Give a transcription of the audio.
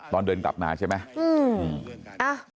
ตอนเดินกลับมาใช่ไหมอืมเอ้า